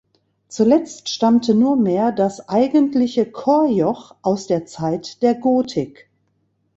Zuletzt stammte nur mehr das eigentliche Chorjoch aus der Zeit der Gotik.